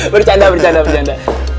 bercanda bercanda bercanda